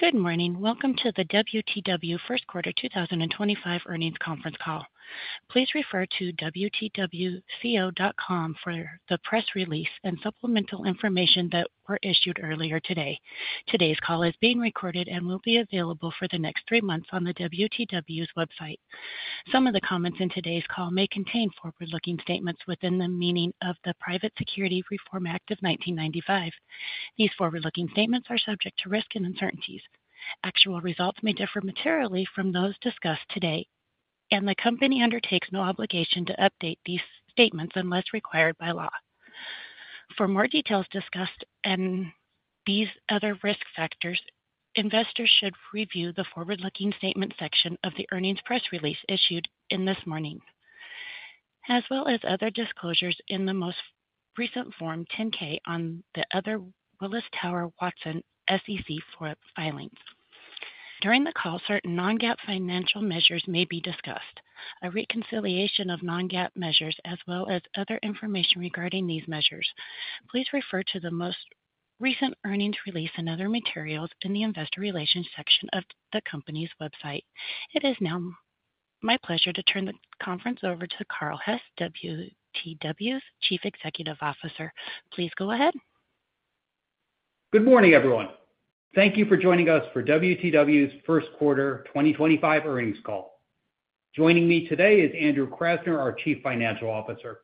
Good morning. Welcome to the WTW First Quarter 2025 Earnings conference call. Please refer to wtwco.com for the press release and supplemental information that were issued earlier today. Today's call is being recorded and will be available for the next three months on the WTW website. Some of the comments in today's call may contain forward-looking statements within the meaning of the Private Securities Litigation Reform Act of 1995. These forward-looking statements are subject to risk and uncertainties. Actual results may differ materially from those discussed today, and the company undertakes no obligation to update these statements unless required by law. For more details discussed and these other risk factors, investors should review the forward-looking statement section of the earnings press release issued this morning, as well as other disclosures in the most recent Form 10-K and the other Willis Towers Watson SEC filings. During the call, certain non-GAAP financial measures may be discussed. A reconciliation of non-GAAP measures, as well as other information regarding these measures, please refer to the most recent earnings release and other materials in the investor relations section of the company's website. It is now my pleasure to turn the conference over to Carl Hess, WTW's Chief Executive Officer. Please go ahead. Good morning, everyone. Thank you for joining us for WTW's First Quarter 2025 Earnings Call. Joining me today is Andrew Krasner, our Chief Financial Officer.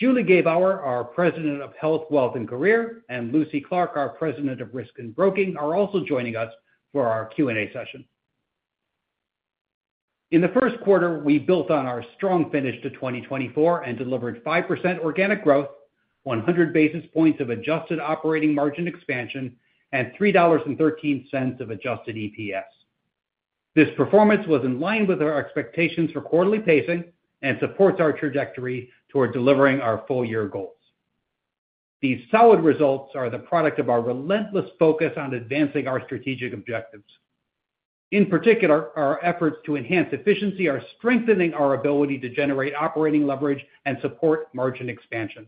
Julie Gebauer, our President of Health, Wealth, and Career, and Lucy Clarke, our President of Risk and Broking, are also joining us for our Q&A session. In the first quarter, we built on our strong finish to 2024 and delivered 5% organic growth, 100 basis points of adjusted operating margin expansion, and $3.13 of adjusted EPS. This performance was in line with our expectations for quarterly pacing and supports our trajectory toward delivering our full-year goals. These solid results are the product of our relentless focus on advancing our strategic objectives. In particular, our efforts to enhance efficiency are strengthening our ability to generate operating leverage and support margin expansion.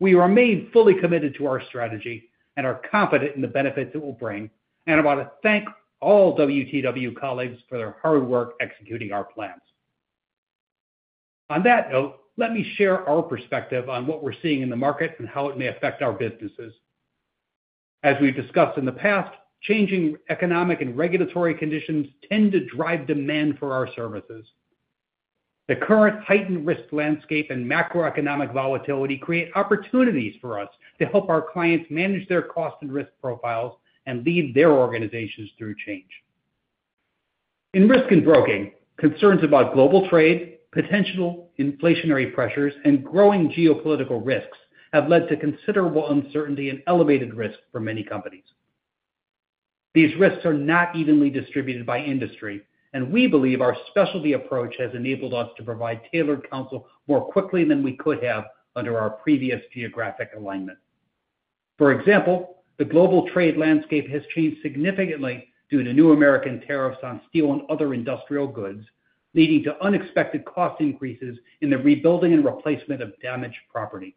We remain fully committed to our strategy and are confident in the benefits it will bring, and I want to thank all WTW colleagues for their hard work executing our plans. On that note, let me share our perspective on what we're seeing in the market and how it may affect our businesses. As we've discussed in the past, changing economic and regulatory conditions tend to drive demand for our services. The current heightened risk landscape and macroeconomic volatility create opportunities for us to help our clients manage their cost and risk profiles and lead their organizations through change. In Risk and Broking, concerns about global trade, potential inflationary pressures, and growing geopolitical risks have led to considerable uncertainty and elevated risk for many companies. These risks are not evenly distributed by industry, and we believe our specialty approach has enabled us to provide tailored counsel more quickly than we could have under our previous geographic alignment. For example, the global trade landscape has changed significantly due to new American tariffs on steel and other industrial goods, leading to unexpected cost increases in the rebuilding and replacement of damaged property.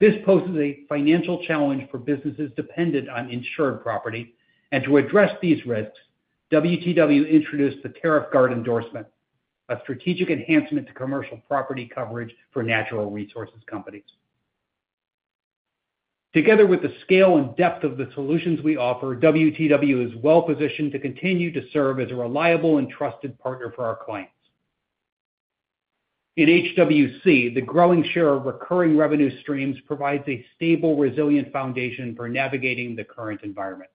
This poses a financial challenge for businesses dependent on insured property, and to address these risks, WTW introduced the Tariff Guard endorsement, a strategic enhancement to commercial property coverage for natural resources companies. Together with the scale and depth of the solutions we offer, WTW is well positioned to continue to serve as a reliable and trusted partner for our clients. In HWC, the growing share of recurring revenue streams provides a stable, resilient foundation for navigating the current environment.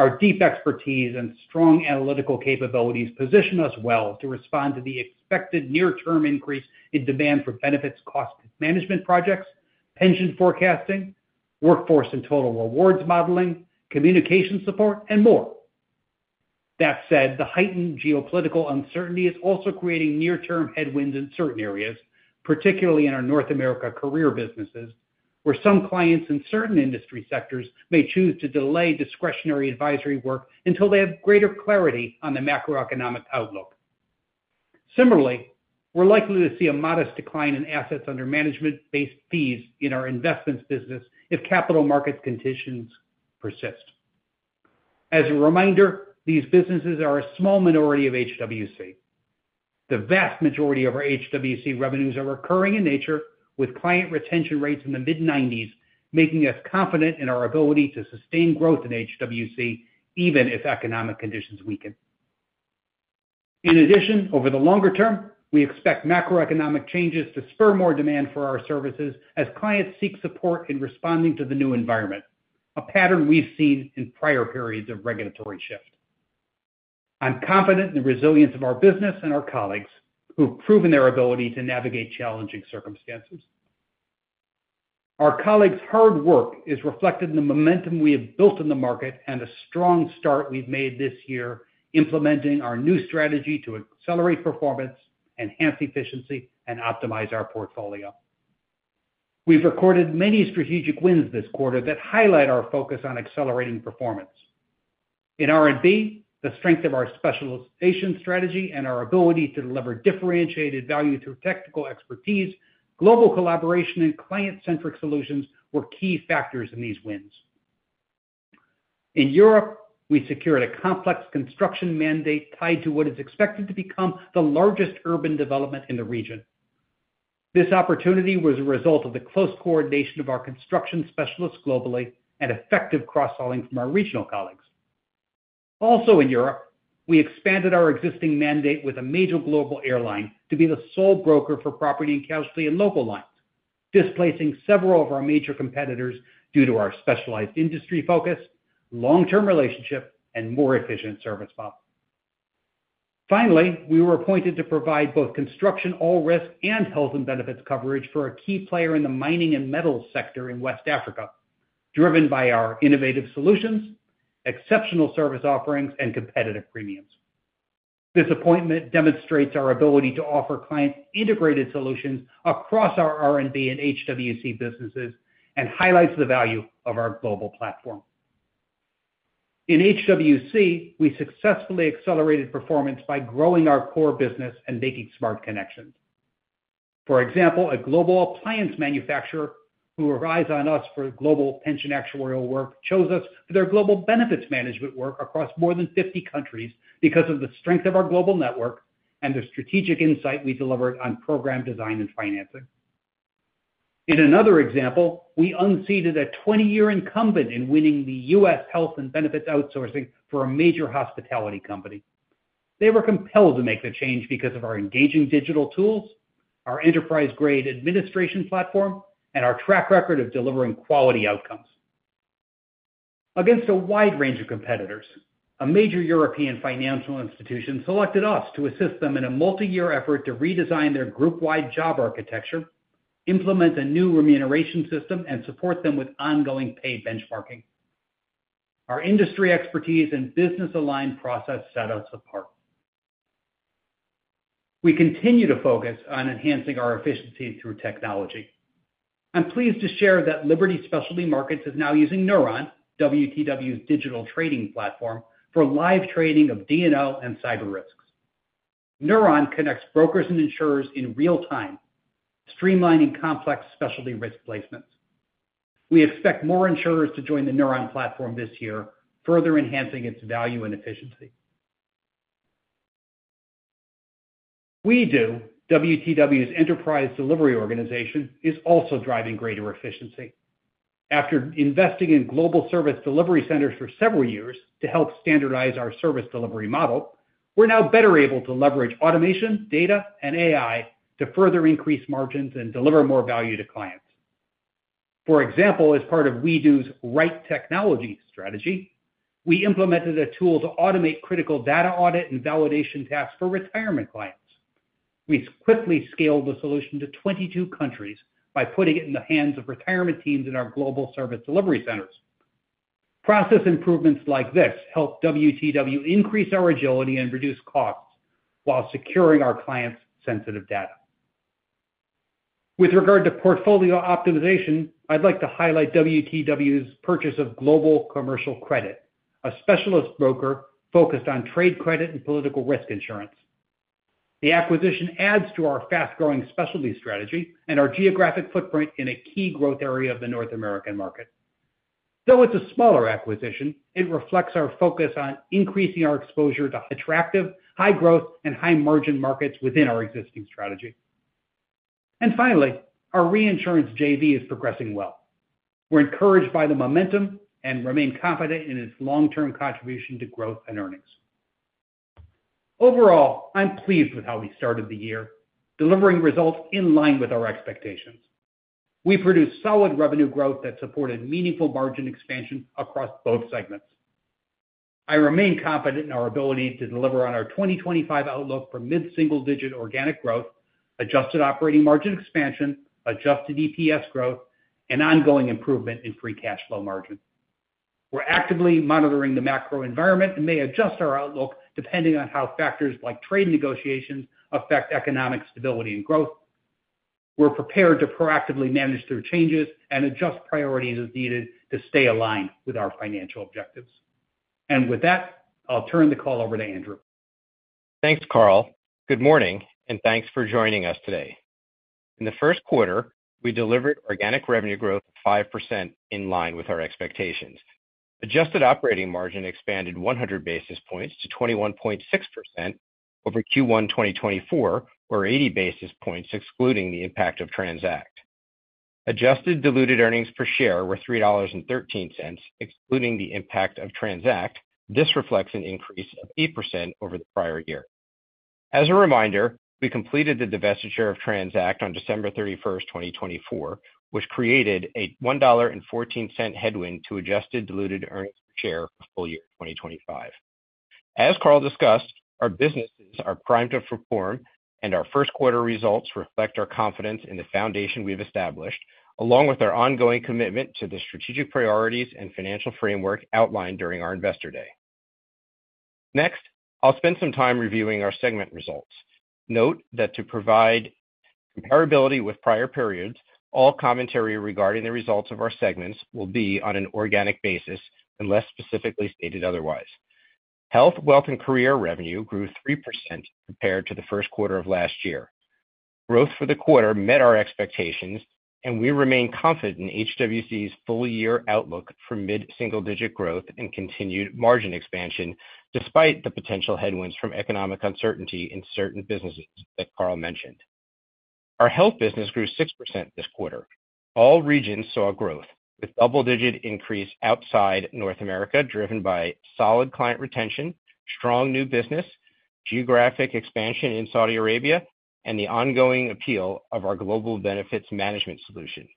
Our deep expertise and strong analytical capabilities position us well to respond to the expected near-term increase in demand for benefits cost management projects, pension forecasting, workforce and total rewards modeling, communication support, and more. That said, the heightened geopolitical uncertainty is also creating near-term headwinds in certain areas, particularly in our North America career businesses, where some clients in certain industry sectors may choose to delay discretionary advisory work until they have greater clarity on the macroeconomic outlook. Similarly, we're likely to see a modest decline in assets under management-based fees in our investments business if capital markets conditions persist. As a reminder, these businesses are a small minority of HWC. The vast majority of our HWC revenues are recurring in nature, with client retention rates in the mid-90s making us confident in our ability to sustain growth in HWC even if economic conditions weaken. In addition, over the longer term, we expect macroeconomic changes to spur more demand for our services as clients seek support in responding to the new environment, a pattern we've seen in prior periods of regulatory shift. I'm confident in the resilience of our business and our colleagues who have proven their ability to navigate challenging circumstances. Our colleagues' hard work is reflected in the momentum we have built in the market and the strong start we've made this year implementing our new strategy to accelerate performance, enhance efficiency, and optimize our portfolio. We've recorded many strategic wins this quarter that highlight our focus on accelerating performance. In R&B, the strength of our specialization strategy and our ability to deliver differentiated value through technical expertise, global collaboration, and client-centric solutions were key factors in these wins. In Europe, we secured a complex construction mandate tied to what is expected to become the largest urban development in the region. This opportunity was a result of the close coordination of our construction specialists globally and effective cross-selling from our regional colleagues. Also in Europe, we expanded our existing mandate with a major global airline to be the sole broker for property and casualty and local lines, displacing several of our major competitors due to our specialized industry focus, long-term relationship, and more efficient service models. Finally, we were appointed to provide both construction all-risk and health and benefits coverage for a key player in the mining and metals sector in West Africa, driven by our innovative solutions, exceptional service offerings, and competitive premiums. This appointment demonstrates our ability to offer clients integrated solutions across our R&B and HWC businesses and highlights the value of our global platform. In HWC, we successfully accelerated performance by growing our core business and making smart connections. For example, a global appliance manufacturer who relies on us for global pension actuarial work chose us for their global benefits management work across more than 50 countries because of the strength of our global network and the strategic insight we delivered on program design and financing. In another example, we unseated a 20-year incumbent in winning the U.S. health and benefits outsourcing for a major hospitality company. They were compelled to make the change because of our engaging digital tools, our enterprise-grade administration platform, and our track record of delivering quality outcomes. Against a wide range of competitors, a major European financial institution selected us to assist them in a multi-year effort to redesign their group-wide job architecture, implement a new remuneration system, and support them with ongoing paid benchmarking. Our industry expertise and business-aligned process set us apart. We continue to focus on enhancing our efficiency through technology. I'm pleased to share that Liberty Specialty Markets is now using Neuron, WTW's digital trading platform, for live trading of D&O and cyber risks. Neuron connects brokers and insurers in real time, streamlining complex specialty risk placements. We expect more insurers to join the Neuron platform this year, further enhancing its value and efficiency. WeDo, WTW's enterprise delivery organization, is also driving greater efficiency. After investing in global service delivery centers for several years to help standardize our service delivery model, we're now better able to leverage automation, data, and AI to further increase margins and deliver more value to clients. For example, as part of WeDo's right technology strategy, we implemented a tool to automate critical data audit and validation tasks for retirement clients. We quickly scaled the solution to 22 countries by putting it in the hands of retirement teams in our global service delivery centers. Process improvements like this help WTW increase our agility and reduce costs while securing our clients' sensitive data. With regard to portfolio optimization, I'd like to highlight WTW's purchase of Global Commercial Credit, a specialist broker focused on trade credit and political risk insurance. The acquisition adds to our fast-growing specialty strategy and our geographic footprint in a key growth area of the North American market. Though it's a smaller acquisition, it reflects our focus on increasing our exposure to attractive, high-growth, and high-margin markets within our existing strategy. Finally, our reinsurance JV is progressing well. We're encouraged by the momentum and remain confident in its long-term contribution to growth and earnings. Overall, I'm pleased with how we started the year, delivering results in line with our expectations. We produced solid revenue growth that supported meaningful margin expansion across both segments. I remain confident in our ability to deliver on our 2025 outlook for mid-single-digit organic growth, adjusted operating margin expansion, adjusted EPS growth, and ongoing improvement in free cash flow margin. We are actively monitoring the macro environment and may adjust our outlook depending on how factors like trade negotiations affect economic stability and growth. We are prepared to proactively manage through changes and adjust priorities as needed to stay aligned with our financial objectives. With that, I'll turn the call over to Andrew. Thanks, Carl. Good morning, and thanks for joining us today. In the first quarter, we delivered organic revenue growth of 5% in line with our expectations. Adjusted operating margin expanded 100 basis points to 21.6% over Q1 2024, or 80 basis points excluding the impact of Transact. Adjusted diluted earnings per share were $3.13 excluding the impact of Transact. This reflects an increase of 8% over the prior year. As a reminder, we completed the divestiture of Transact on December 31, 2024, which created a $1.14 headwind to adjusted diluted earnings per share for full year 2025. As Carl discussed, our businesses are primed to perform, and our first quarter results reflect our confidence in the foundation we've established, along with our ongoing commitment to the strategic priorities and financial framework outlined during our investor day. Next, I'll spend some time reviewing our segment results. Note that to provide comparability with prior periods, all commentary regarding the results of our segments will be on an organic basis unless specifically stated otherwise. Health, Wealth & Career revenue grew 3% compared to the first quarter of last year. Growth for the quarter met our expectations, and we remain confident in HWC's full-year outlook for mid-single-digit growth and continued margin expansion despite the potential headwinds from economic uncertainty in certain businesses that Carl mentioned. Our Health business grew 6% this quarter. All regions saw growth with double-digit increase outside North America driven by solid client retention, strong new business, geographic expansion in Saudi Arabia, and the ongoing appeal of our global benefits management solution.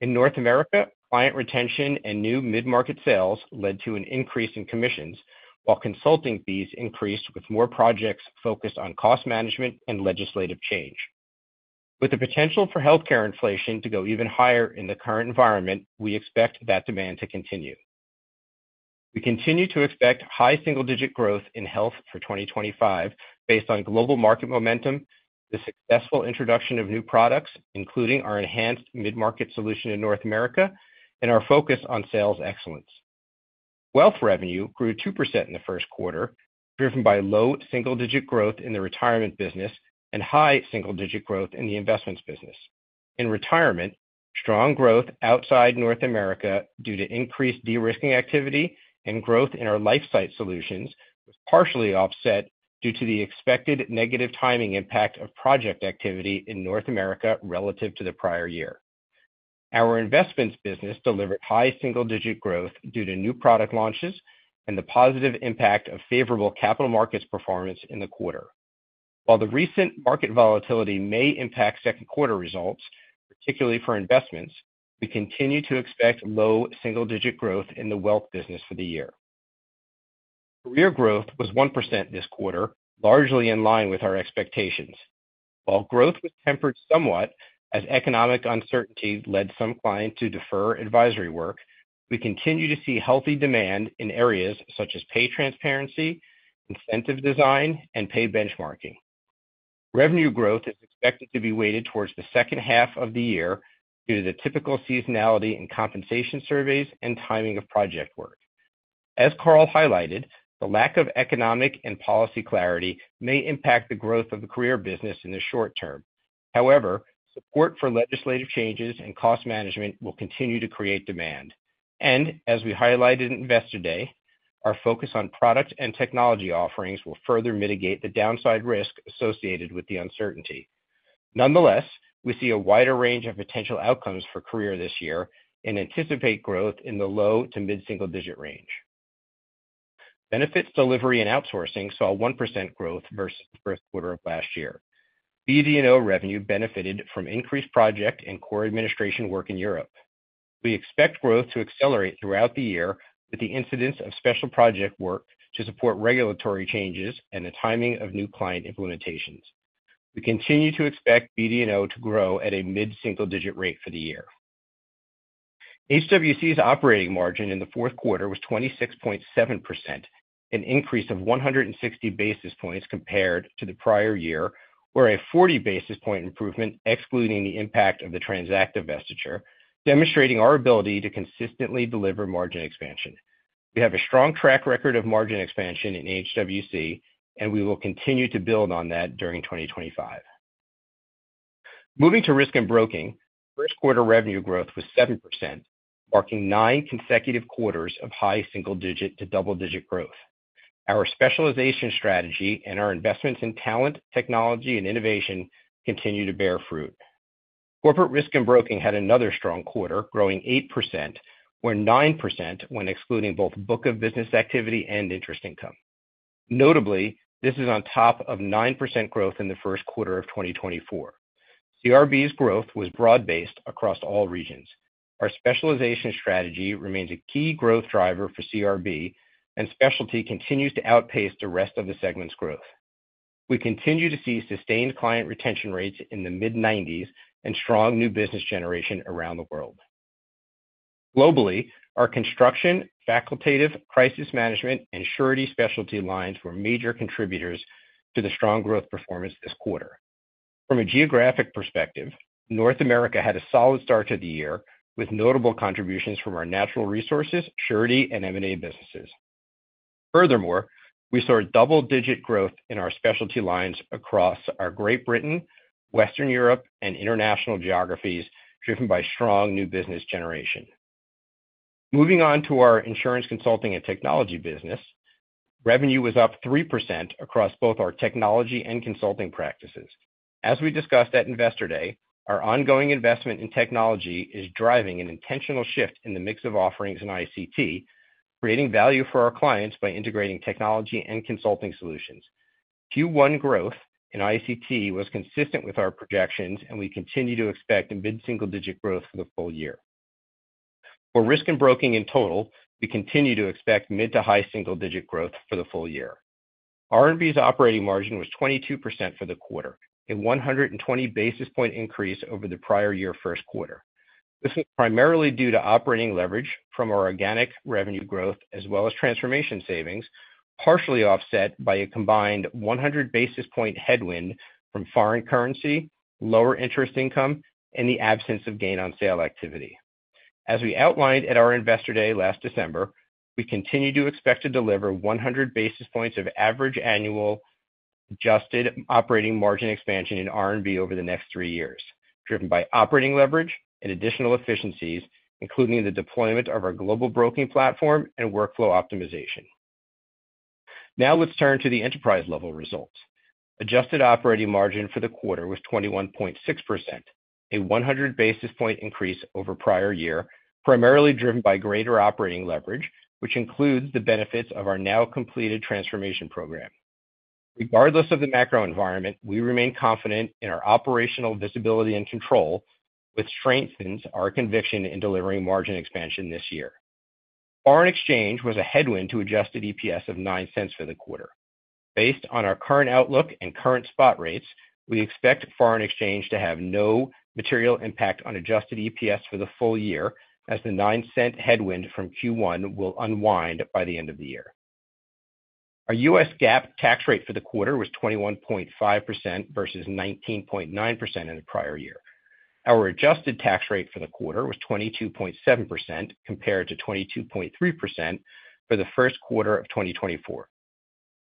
In North America, client retention and new mid-market sales led to an increase in commissions, while consulting fees increased with more projects focused on cost management and legislative change. With the potential for healthcare inflation to go even higher in the current environment, we expect that demand to continue. We continue to expect high single-digit growth in health for 2025 based on global market momentum, the successful introduction of new products, including our enhanced mid-market solution in North America, and our focus on sales excellence. Wealth revenue grew 2% in the first quarter, driven by low single-digit growth in the retirement business and high single-digit growth in the investments business. In retirement, strong growth outside North America due to increased de-risking activity and growth in our LifeSight solutions was partially offset due to the expected negative timing impact of project activity in North America relative to the prior year. Our investments business delivered high single-digit growth due to new product launches and the positive impact of favorable capital markets performance in the quarter. While the recent market volatility may impact second-quarter results, particularly for investments, we continue to expect low single-digit growth in the wealth business for the year. Career growth was 1% this quarter, largely in line with our expectations. While growth was tempered somewhat as economic uncertainty led some clients to defer advisory work, we continue to see healthy demand in areas such as pay transparency, incentive design, and pay benchmarking. Revenue growth is expected to be weighted towards the second half of the year due to the typical seasonality and compensation surveys and timing of project work. As Carl highlighted, the lack of economic and policy clarity may impact the growth of the career business in the short term. However, support for legislative changes and cost management will continue to create demand. As we highlighted in investor day, our focus on product and technology offerings will further mitigate the downside risk associated with the uncertainty. Nonetheless, we see a wider range of potential outcomes for Career this year and anticipate growth in the low to mid-single-digit range. Benefits Delivery & Outsourcing saw 1% growth versus the first quarter of last year. BD&O revenue benefited from increased project and core administration work in Europe. We expect growth to accelerate throughout the year with the incidence of special project work to support regulatory changes and the timing of new client implementations. We continue to expect BD&O to grow at a mid-single-digit rate for the year. HWC's operating margin in the fourth quarter was 26.7%, an increase of 160 basis points compared to the prior year, or a 40 basis point improvement excluding the impact of the Transact divestiture, demonstrating our ability to consistently deliver margin expansion. We have a strong track record of margin expansion in HWC, and we will continue to build on that during 2025. Moving to Risk and Broking, first quarter revenue growth was 7%, marking nine consecutive quarters of high single-digit to double-digit growth. Our specialization strategy and our investments in talent, technology, and innovation continue to bear fruit. Corporate Risk and Broking had another strong quarter, growing 8%, where 9% went excluding both book of business activity and interest income. Notably, this is on top of 9% growth in the first quarter of 2024. CRB's growth was broad-based across all regions. Our specialization strategy remains a key growth driver for CRB, and specialty continues to outpace the rest of the segment's growth. We continue to see sustained client retention rates in the mid-90% and strong new business generation around the world. Globally, our construction, facultative, crisis management, and surety specialty lines were major contributors to the strong growth performance this quarter. From a geographic perspective, North America had a solid start to the year with notable contributions from our natural resources, surety, and M&A businesses. Furthermore, we saw double-digit growth in our specialty lines across our Great Britain, Western Europe, and international geographies, driven by strong new business generation. Moving on to our Insurance Consulting & Technology business, revenue was up 3% across both our technology and consulting practices. As we discussed at investor day, our ongoing investment in technology is driving an intentional shift in the mix of offerings in ICT, creating value for our clients by integrating technology and consulting solutions. Q1 growth in ICT was consistent with our projections, and we continue to expect mid-single-digit growth for the full year. For Risk and Broking in total, we continue to expect mid to high single-digit growth for the full year. R&B's operating margin was 22% for the quarter, a 120 basis point increase over the prior year first quarter. This was primarily due to operating leverage from our organic revenue growth as well as transformation savings, partially offset by a combined 100 basis point headwind from foreign currency, lower interest income, and the absence of gain on sale activity. As we outlined at our investor day last December, we continue to expect to deliver 100 basis points of average annual adjusted operating margin expansion in R&B over the next three years, driven by operating leverage and additional efficiencies, including the deployment of our global broking platform and workflow optimization. Now let's turn to the enterprise-level results. Adjusted operating margin for the quarter was 21.6%, a 100 basis point increase over prior year, primarily driven by greater operating leverage, which includes the benefits of our now completed transformation program. Regardless of the macro environment, we remain confident in our operational visibility and control, which strengthens our conviction in delivering margin expansion this year. Foreign exchange was a headwind to adjusted EPS of 9 cents for the quarter. Based on our current outlook and current spot rates, we expect foreign exchange to have no material impact on adjusted EPS for the full year as the $0.09 headwind from Q1 will unwind by the end of the year. Our U.S. GAAP tax rate for the quarter was 21.5% versus 19.9% in the prior year. Our adjusted tax rate for the quarter was 22.7% compared to 22.3% for the first quarter of 2024.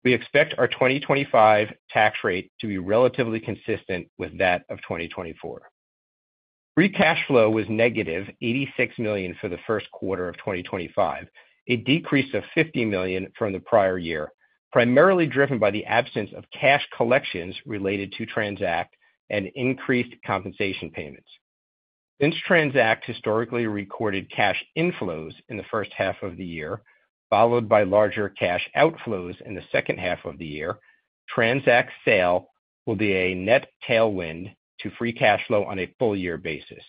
We expect our 2025 tax rate to be relatively consistent with that of 2024. Free cash flow was negative $86 million for the first quarter of 2025, a decrease of $50 million from the prior year, primarily driven by the absence of cash collections related to Transact and increased compensation payments. Since Transact historically recorded cash inflows in the first half of the year, followed by larger cash outflows in the second half of the year, Transact sale will be a net tailwind to free cash flow on a full-year basis.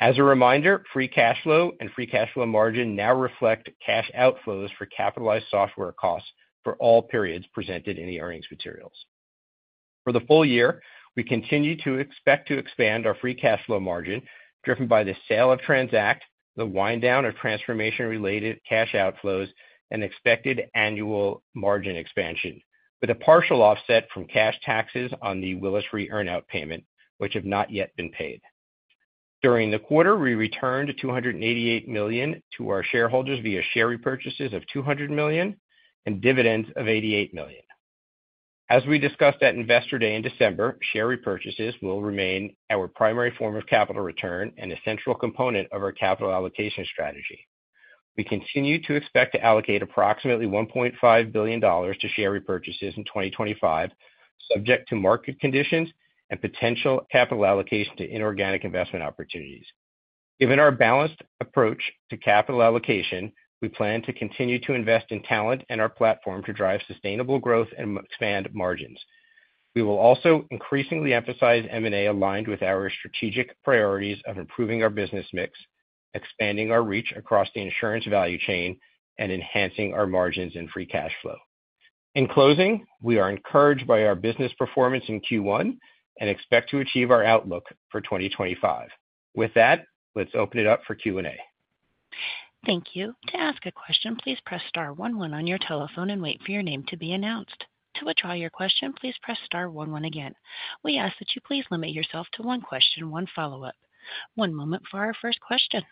As a reminder, free cash flow and free cash flow margin now reflect cash outflows for capitalized software costs for all periods presented in the earnings materials. For the full year, we continue to expect to expand our free cash flow margin, driven by the sale of Transact, the wind down of transformation-related cash outflows, and expected annual margin expansion, with a partial offset from cash taxes on the Willis Fee Earn-Out payment, which have not yet been paid. During the quarter, we returned $288 million to our shareholders via share repurchases of $200 million and dividends of $88 million. As we discussed at investor day in December, share repurchases will remain our primary form of capital return and a central component of our capital allocation strategy. We continue to expect to allocate approximately $1.5 billion to share repurchases in 2025, subject to market conditions and potential capital allocation to inorganic investment opportunities. Given our balanced approach to capital allocation, we plan to continue to invest in talent and our platform to drive sustainable growth and expand margins. We will also increasingly emphasize M&A aligned with our strategic priorities of improving our business mix, expanding our reach across the insurance value chain, and enhancing our margins and free cash flow. In closing, we are encouraged by our business performance in Q1 and expect to achieve our outlook for 2025. With that, let's open it up for Q&A. Thank you. To ask a question, please press star one one on your telephone and wait for your name to be announced. To withdraw your question, please press star one one again. We ask that you please limit yourself to one question, one follow-up. One moment for our first question.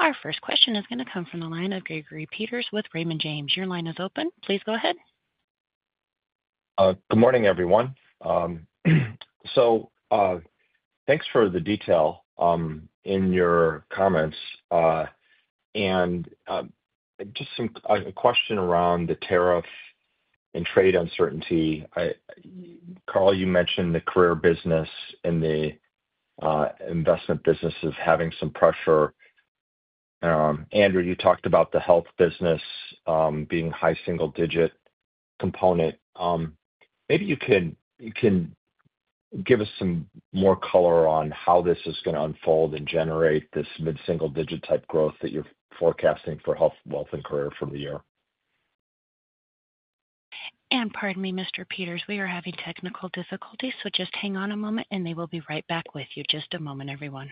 Our first question is going to come from the line of Gregory Peters with Raymond James. Your line is open. Please go ahead. Good morning, everyone. Thanks for the detail in your comments. Just a question around the tariff and trade uncertainty. Carl, you mentioned the career business and the investment businesses having some pressure. Andrew, you talked about the health business being a high single-digit component. Maybe you can give us some more color on how this is going to unfold and generate this mid-single-digit type growth that you're forecasting for health, wealth, and career for the year? Pardon me, Mr. Peters, we are having technical difficulties, so just hang on a moment and they will be right back with you. Just a moment, everyone.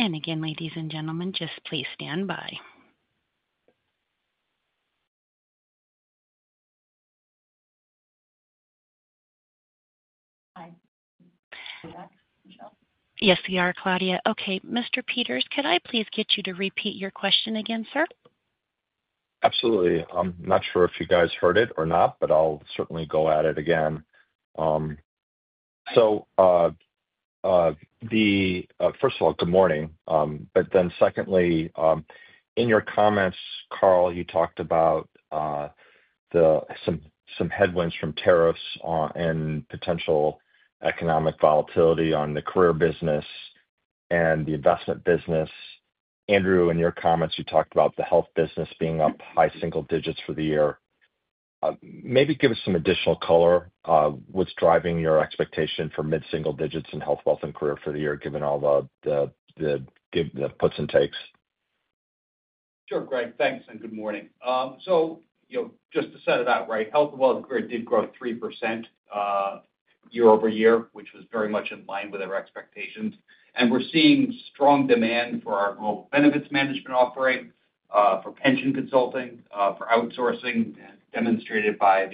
Again, ladies and gentlemen, please stand by. Hi. Yes, we are, Claudia. Okay. Mr. Peters, could I please get you to repeat your question again, sir? Absolutely. I'm not sure if you guys heard it or not, but I'll certainly go at it again. First of all, good morning. Secondly, in your comments, Carl, you talked about some headwinds from tariffs and potential economic volatility on the career business and the investment business. Andrew, in your comments, you talked about the health business being up high single digits for the year. Maybe give us some additional color. What's driving your expectation for mid-single digits in health, wealth, and career for the year, given all the puts and takes? Sure, Greg. Thanks and good morning. Just to set it out right, health, wealth, and career did grow 3% year-over-year, which was very much in line with our expectations. We're seeing strong demand for our global benefits management offering, for pension consulting, for outsourcing, demonstrated by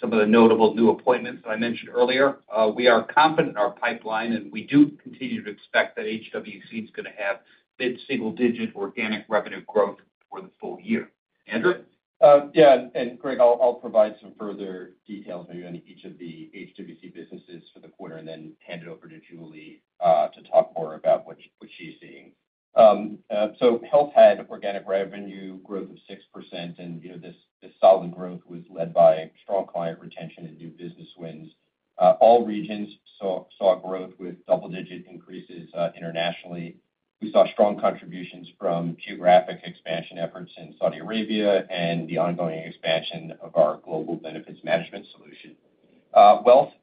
some of the notable new appointments that I mentioned earlier. We are confident in our pipeline, and we do continue to expect that HWC is going to have mid-single digit organic revenue growth for the full year. Andrew? Yeah. Greg, I'll provide some further details on each of the HWC businesses for the quarter and then hand it over to Julie to talk more about what she's seeing. Health had organic revenue growth of 6%, and this solid growth was led by strong client retention and new business wins. All regions saw growth with double-digit increases internationally. We saw strong contributions from geographic expansion efforts in Saudi Arabia and the ongoing expansion of our global benefits management solution. Wealth,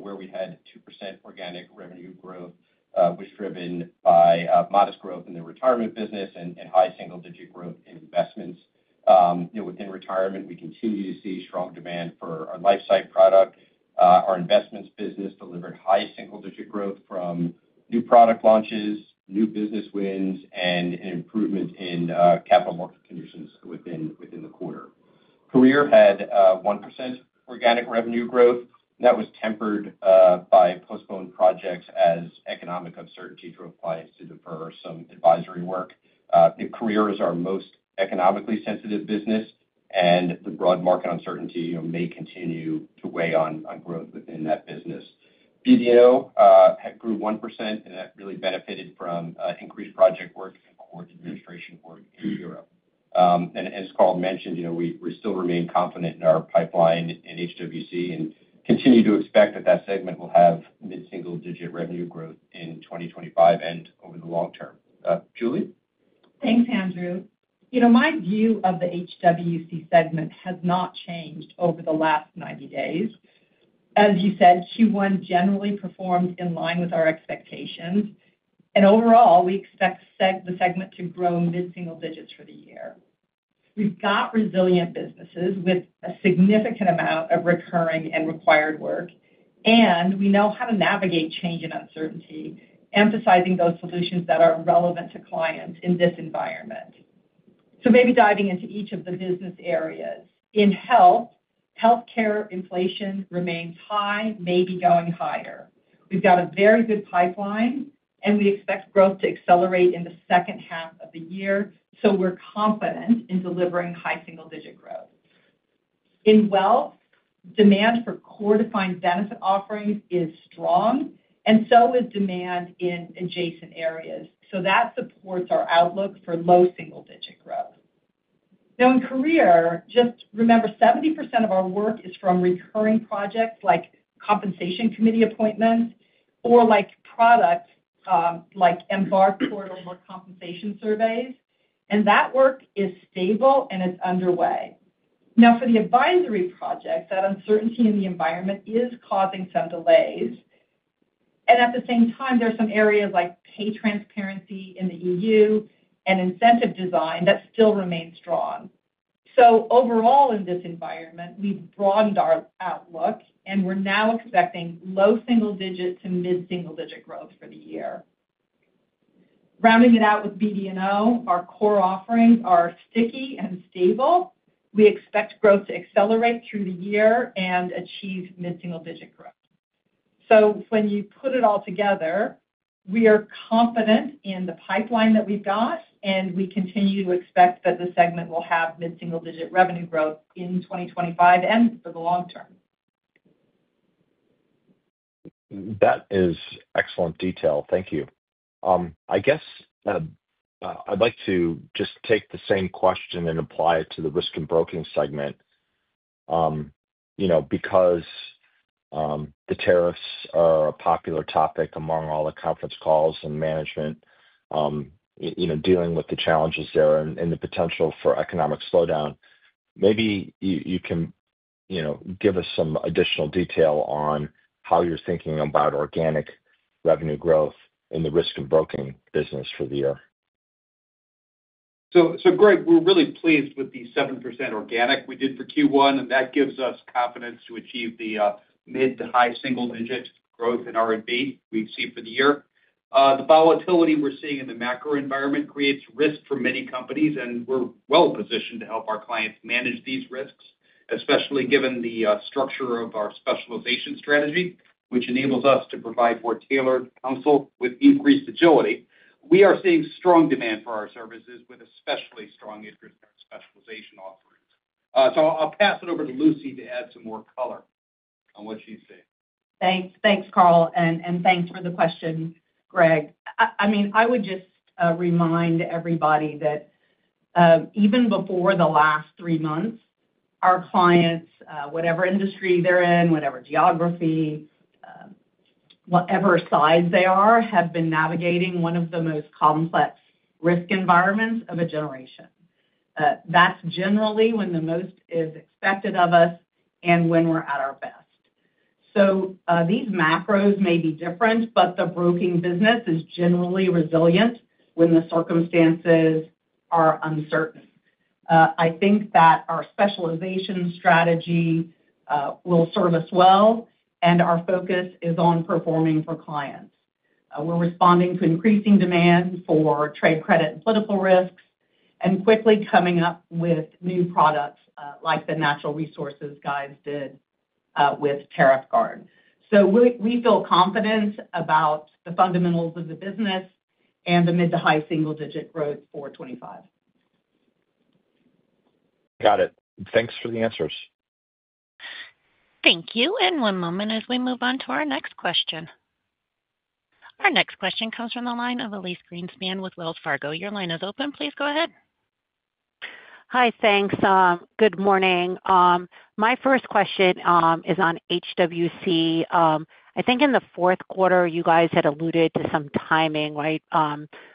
where we had 2% organic revenue growth, was driven by modest growth in the retirement business and high single-digit growth in investments. Within retirement, we continue to see strong demand for our LifeSight product. Our investments business delivered high single-digit growth from new product launches, new business wins, and an improvement in capital market conditions within the quarter. Career had 1% organic revenue growth. That was tempered by postponed projects as economic uncertainty drove clients to defer some advisory work. Career is our most economically sensitive business, and the broad market uncertainty may continue to weigh on growth within that business. BD&O grew 1%, and that really benefited from increased project work and core administration work in Europe. As Carl mentioned, we still remain confident in our pipeline in HWC and continue to expect that that segment will have mid-single digit revenue growth in 2025 and over the long term. Julie? Thanks, Andrew. My view of the HWC segment has not changed over the last 90 days. As you said, Q1 generally performed in line with our expectations. Overall, we expect the segment to grow mid-single digits for the year. We've got resilient businesses with a significant amount of recurring and required work, and we know how to navigate change and uncertainty, emphasizing those solutions that are relevant to clients in this environment. Maybe diving into each of the business areas. In health, healthcare inflation remains high, maybe going higher. We've got a very good pipeline, and we expect growth to accelerate in the second half of the year. We're confident in delivering high single-digit growth. In wealth, demand for core defined benefit offerings is strong, and so is demand in adjacent areas. That supports our outlook for low single-digit growth. In career, just remember, 70% of our work is from recurring projects like compensation committee appointments or products like Embark portal or compensation surveys. That work is stable, and it's underway. For the advisory projects, that uncertainty in the environment is causing some delays. At the same time, there are some areas like pay transparency in the EU and incentive design that still remain strong. Overall, in this environment, we've broadened our outlook, and we're now expecting low single-digit to mid-single digit growth for the year. Rounding it out with BD&O, our core offerings are sticky and stable. We expect growth to accelerate through the year and achieve mid-single digit growth. When you put it all together, we are confident in the pipeline that we've got, and we continue to expect that the segment will have mid-single digit revenue growth in 2025 and for the long term. That is excellent detail. Thank you. I guess I'd like to just take the same question and apply it to the risk and broking segment because the tariffs are a popular topic among all the conference calls and management dealing with the challenges there and the potential for economic slowdown. Maybe you can give us some additional detail on how you're thinking about organic revenue growth and the risk and broking business for the year. Greg, we're really pleased with the 7% organic we did for Q1, and that gives us confidence to achieve the mid to high single-digit growth in R&B we've seen for the year. The volatility we're seeing in the macro environment creates risk for many companies, and we're well positioned to help our clients manage these risks, especially given the structure of our specialization strategy, which enables us to provide more tailored counsel with increased agility. We are seeing strong demand for our services with especially strong interest in our specialization offerings. I'll pass it over to Lucy to add some more color on what she's seeing. Thanks, Carl. Thanks for the question, Greg. I mean, I would just remind everybody that even before the last three months, our clients, whatever industry they're in, whatever geography, whatever size they are, have been navigating one of the most complex risk environments of a generation. That's generally when the most is expected of us and when we're at our best. These macros may be different, but the broking business is generally resilient when the circumstances are uncertain. I think that our specialization strategy will serve us well, and our focus is on performing for clients. We're responding to increasing demand for trade credit and political risks and quickly coming up with new products like the natural resources guys did with Tariff Guard. We feel confident about the fundamentals of the business and the mid to high single-digit growth for 2025. Got it. Thanks for the answers. Thank you. One moment as we move on to our next question. Our next question comes from the line of Elyse Greenspan with Wells Fargo. Your line is open. Please go ahead. Hi, thanks. Good morning. My first question is on HWC. I think in the fourth quarter, you guys had alluded to some timing, right?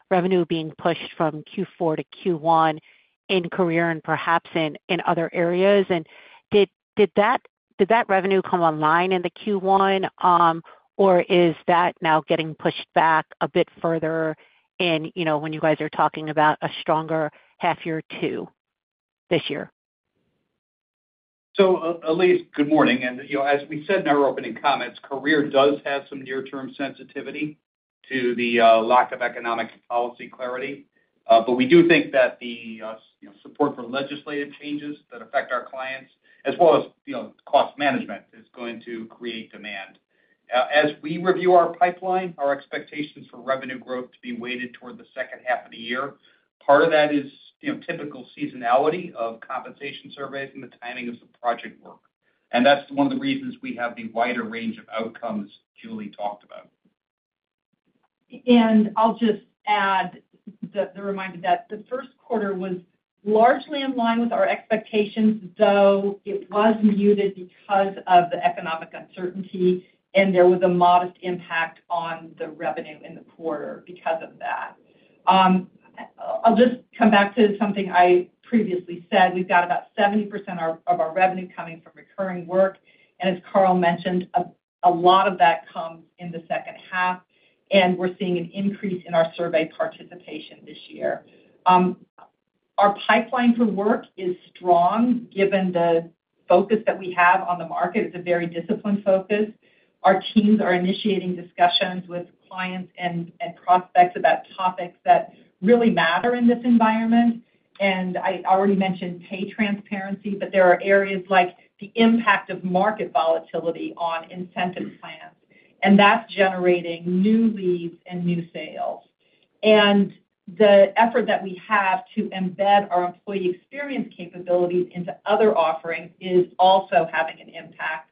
Revenue being pushed from Q4 to Q1 in career and perhaps in other areas. Did that revenue come online in the Q1, or is that now getting pushed back a bit further when you guys are talking about a stronger half year two this year? Elyse, good morning. As we said in our opening comments, career does have some near-term sensitivity to the lack of economic policy clarity. We do think that the support for legislative changes that affect our clients, as well as cost management, is going to create demand. As we review our pipeline, our expectations for revenue growth to be weighted toward the second half of the year, part of that is typical seasonality of compensation surveys and the timing of some project work. That is one of the reasons we have the wider range of outcomes Julie talked about. I'll just add the reminder that the first quarter was largely in line with our expectations, though it was muted because of the economic uncertainty, and there was a modest impact on the revenue in the quarter because of that. I'll just come back to something I previously said. We've got about 70% of our revenue coming from recurring work. As Carl mentioned, a lot of that comes in the second half, and we're seeing an increase in our survey participation this year. Our pipeline for work is strong given the focus that we have on the market. It's a very disciplined focus. Our teams are initiating discussions with clients and prospects about topics that really matter in this environment. I already mentioned pay transparency, but there are areas like the impact of market volatility on incentive plans, and that's generating new leads and new sales. The effort that we have to embed our employee experience capabilities into other offerings is also having an impact.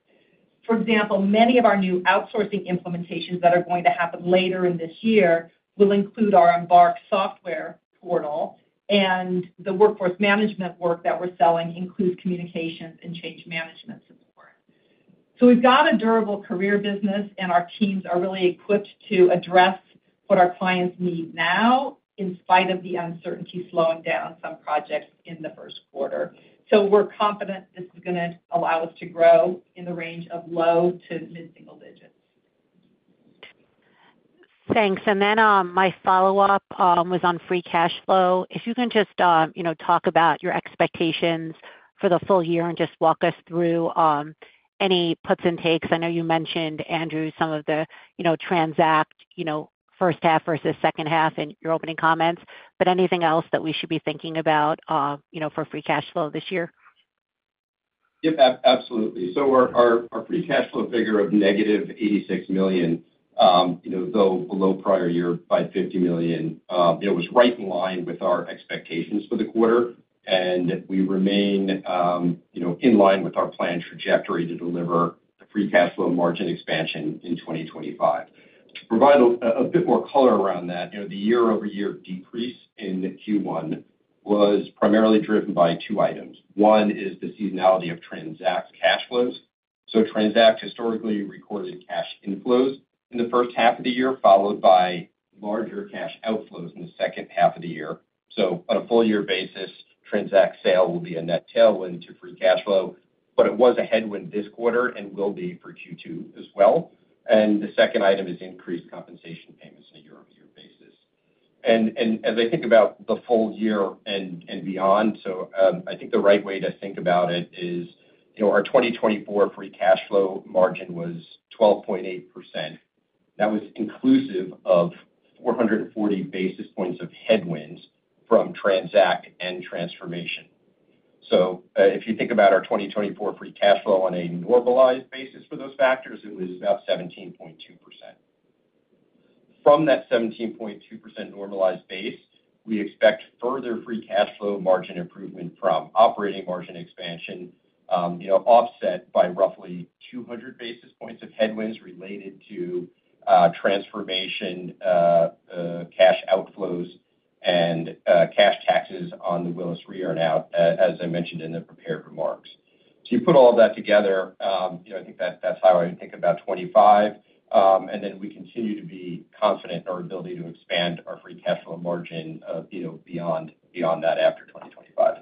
For example, many of our new outsourcing implementations that are going to happen later in this year will include our Embark software portal, and the workforce management work that we're selling includes communications and change management support. We've got a durable career business, and our teams are really equipped to address what our clients need now in spite of the uncertainty slowing down some projects in the first quarter. We're confident this is going to allow us to grow in the range of low to mid-single digits. Thanks. My follow-up was on free cash flow. If you can just talk about your expectations for the full year and just walk us through any puts and takes. I know you mentioned, Andrew, some of the Transact first half versus second half in your opening comments, but anything else that we should be thinking about for free cash flow this year? Yep, absolutely. Our free cash flow figure of negative $86 million, though below prior year by $50 million, was right in line with our expectations for the quarter, and we remain in line with our planned trajectory to deliver the free cash flow margin expansion in 2025. To provide a bit more color around that, the year-over-year decrease in Q1 was primarily driven by two items. One is the seasonality of Transact cash flows. Transact historically recorded cash inflows in the first half of the year, followed by larger cash outflows in the second half of the year. On a full-year basis, the Transact sale will be a net tailwind to free cash flow, but it was a headwind this quarter and will be for Q2 as well. The second item is increased compensation payments on a year-over-year basis. As I think about the full year and beyond, I think the right way to think about it is our 2024 free cash flow margin was 12.8%. That was inclusive of 440 basis points of headwinds from Transact and transformation. If you think about our 2024 free cash flow on a normalized basis for those factors, it was about 17.2%. From that 17.2% normalized base, we expect further free cash flow margin improvement from operating margin expansion offset by roughly 200 basis points of headwinds related to transformation cash outflows and cash taxes on the Willis re-earn out, as I mentioned in the prepared remarks. You put all of that together, I think that's how I would think about 2025. We continue to be confident in our ability to expand our free cash flow margin beyond that after 2025.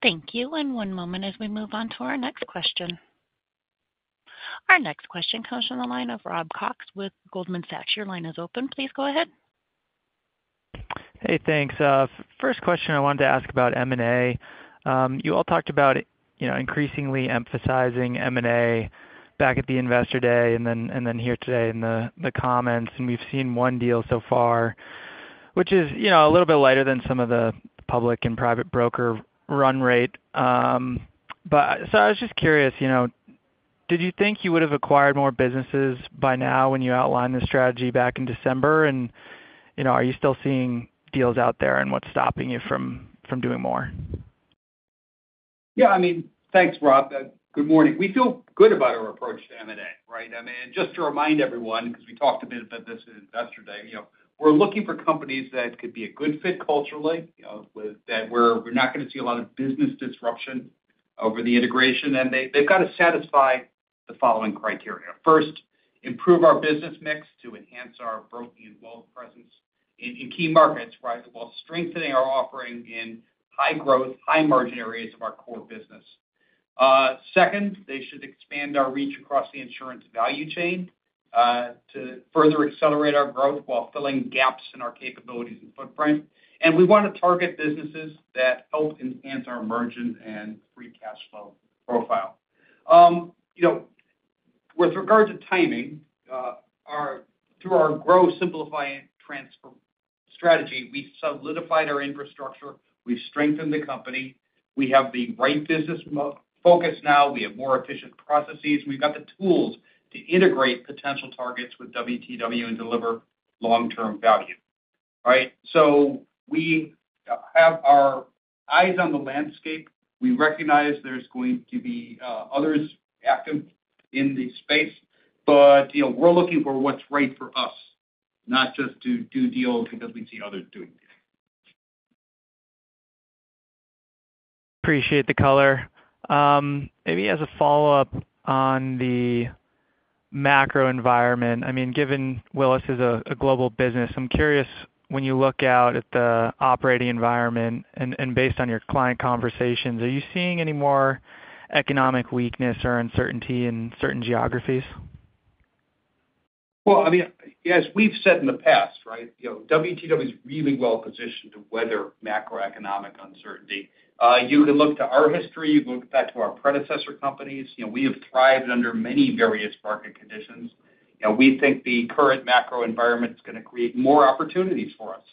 Thank you. One moment as we move on to our next question. Our next question comes from the line of Rob Cox with Goldman Sachs. Your line is open. Please go ahead. Hey, thanks. First question I wanted to ask about M&A. You all talked about increasingly emphasizing M&A back at the investor day and then here today in the comments. We have seen one deal so far, which is a little bit lighter than some of the public and private broker run rate. I was just curious, did you think you would have acquired more businesses by now when you outlined the strategy back in December? Are you still seeing deals out there and what is stopping you from doing more? Yeah. I mean, thanks, Rob. Good morning. We feel good about our approach to M&A, right? I mean, just to remind everyone, because we talked a bit about this at investor day, we're looking for companies that could be a good fit culturally, that we're not going to see a lot of business disruption over the integration. They have got to satisfy the following criteria. First, improve our business mix to enhance our broking and wealth presence in key markets while strengthening our offering in high-growth, high-margin areas of our core business. Second, they should expand our reach across the insurance value chain to further accelerate our growth while filling gaps in our capabilities and footprint. We want to target businesses that help enhance our margin and free cash flow profile. With regard to timing, through our growth simplifying transfer strategy, we solidified our infrastructure. We have strengthened the company. We have the right business focus now. We have more efficient processes. We've got the tools to integrate potential targets with WTW and deliver long-term value, right? We have our eyes on the landscape. We recognize there's going to be others active in the space, but we're looking for what's right for us, not just to do deals because we see others doing deals. Appreciate the color. Maybe as a follow-up on the macro environment, I mean, given Willis is a global business, I'm curious, when you look out at the operating environment and based on your client conversations, are you seeing any more economic weakness or uncertainty in certain geographies? I mean, as we've said in the past, right, WTW is really well positioned to weather macroeconomic uncertainty. You can look to our history. You can look back to our predecessor companies. We have thrived under many various market conditions. We think the current macro environment is going to create more opportunities for us.